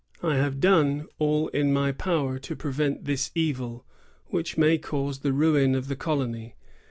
I have done all in my power to prevent this evil, which may cause the ruin of the colony.